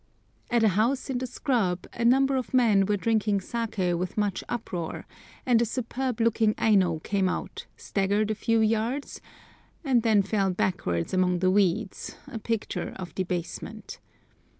At a house in the scrub a number of men were drinking saké with much uproar, and a superb looking Aino came out, staggered a few yards, and then fell backwards among the weeds, a picture of debasement.